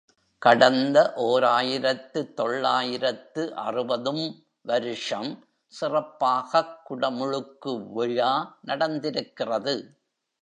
கடந்த ஓர் ஆயிரத்து தொள்ளாயிரத்து அறுபது ம் வருஷம் சிறப்பாகக் குடமுழுக்கு விழா நடந்திருக்கிறது.